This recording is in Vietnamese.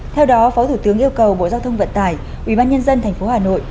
theo đó phó thủ tướng yêu cầu bộ giao thông vận tải ủy ban nhân dân tp hà nội